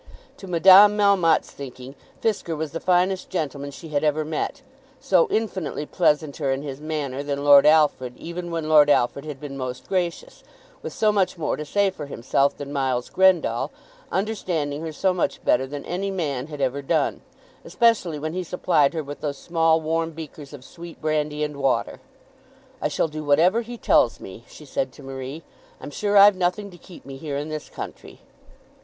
To Madame Melmotte's thinking, Fisker was the finest gentleman she had ever met, so infinitely pleasanter in his manner than Lord Alfred even when Lord Alfred had been most gracious, with so much more to say for himself than Miles Grendall, understanding her so much better than any man had ever done, especially when he supplied her with those small warm beakers of sweet brandy and water. "I shall do whatever he tells me," she said to Marie. "I'm sure I've nothing to keep me here in this country."